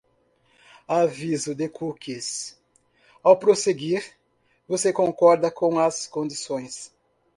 Aviso de cookies: ao prosseguir, você concorda com as condições